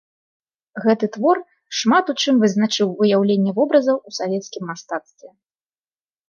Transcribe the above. Гэты твор шмат у чым вызначыў выяўленне вобразаў ў савецкім мастацтве.